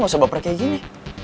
gak usah baper kayak gini